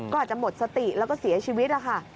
ก็อาจจะหมดสติแล้วก็เสียชีวิตนะคะ